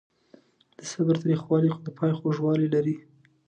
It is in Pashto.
د صبر تریخوالی خو د پای خوږوالی لري.